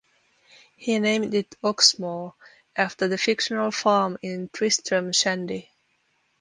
He named it "Oxmoor", after the fictional farm in Tristram Shandy.